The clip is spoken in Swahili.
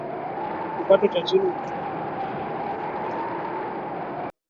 kipato cha chini hutoka kwa nyumba zinachoma majani fueli